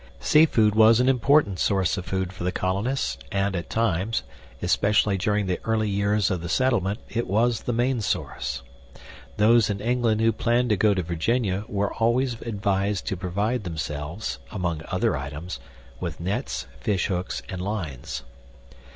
Seafood was an important source of food for the colonists, and at times, especially during the early years of the settlement, it was the main source. Those in England who planned to go to Virginia were always advised to provide themselves (among other items) with nets, fishhooks, and lines.